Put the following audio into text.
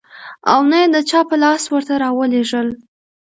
او نه يې د چا په لاس ورته راولېږل .